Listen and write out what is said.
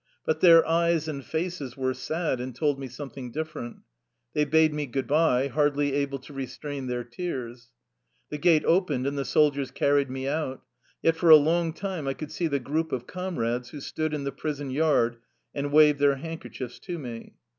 But their eyes and faces were sad, and told me something different. They bade me good by, hardly able to restrain their tears. The gate opened, and the soldiers carried me out. Yet for a long time I could see the group of comrades who stood in the prison yard and waved their handkerchiefs to me.